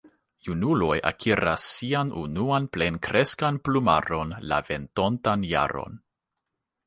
Junuloj akiras sian unuan plenkreskan plumaron la venontan jaron.